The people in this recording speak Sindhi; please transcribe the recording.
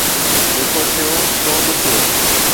جيڪو ٿيو، سو به ٿيو